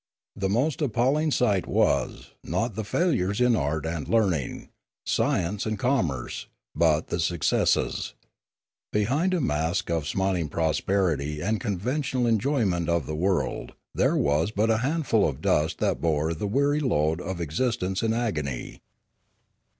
The most appalling sight was, not the failures in art and learning, science and commerce, but the successes. Behind a mask of smil ing prosperity and conventional enjoyment of the world there was but a handful of dust that bore the weary load of existence in agony.